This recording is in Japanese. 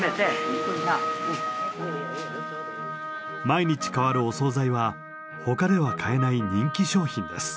毎日替わるお総菜はほかでは買えない人気商品です。